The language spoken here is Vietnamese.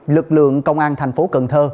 lực lượng công an thành phố cần thơ